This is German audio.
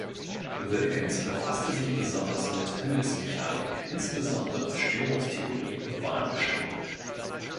Wilkens befasste sich besonders mit Himmelsmechanik, insbesondere Störungstheorie und Bahnbestimmung.